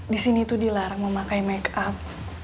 di sini tuh dilarang memakai makeup